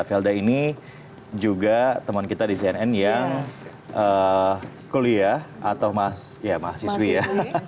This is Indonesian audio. velda ini juga teman kita di cnn yang kuliah atau mahasiswi ya